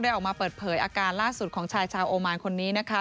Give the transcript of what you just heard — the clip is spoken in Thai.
ออกมาเปิดเผยอาการล่าสุดของชายชาวโอมานคนนี้นะคะ